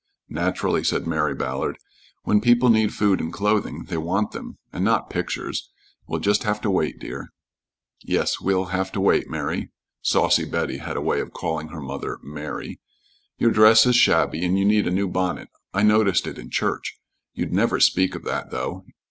"Naturally," said Mary Ballard. "When people need food and clothing they want them, and not pictures. We'll just have to wait, dear." "Yes, we'll have to wait, Mary." Saucy Betty had a way of calling her mother "Mary." "Your dress is shabby, and you need a new bonnet; I noticed it in church, you'd never speak of that, though.